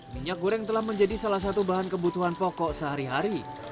minyak goreng telah menjadi salah satu bahan kebutuhan pokok sehari hari